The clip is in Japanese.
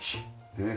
ねえ。